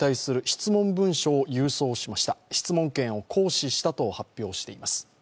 質問権を行使したと発表しています。